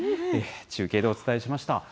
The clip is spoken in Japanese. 中継でお伝えしました。